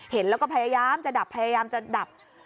เห็นแล้วก็พยายามจะดับพยายามจะดับ